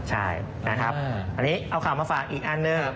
ใช่อันนี้เอาคำมาฝากอีกอันหนึ่ง